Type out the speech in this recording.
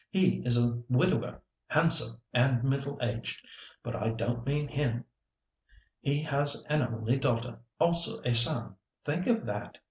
He is a widower, handsome and middle aged. But I don't mean him. He has an only daughter, also a son. Think of that!